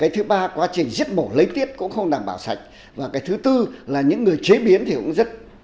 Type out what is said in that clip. thứ ba quá trình giết mổ lấy tiết cũng không đảm bảo sạch thứ tư những người chế biến cũng rất